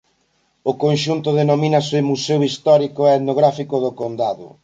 O conxunto denomínase Museo histórico e etnográfico do Condado.